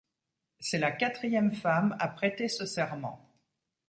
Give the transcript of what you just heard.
C'est la quatrième femme à prêter ce serment.